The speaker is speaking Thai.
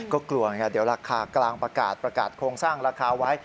ก็กลัวไงเดี๋ยวราคากลางประกาศประกาศโครงสร้างราคาไว้